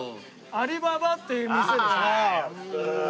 アリババっていう店でしょ？